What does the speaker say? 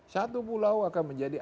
satu pulau akan menjadi